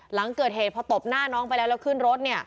หลังเกิดเหตุพอตบหน้าน้องไปแล้วแล้วขึ้นรถเนี่ย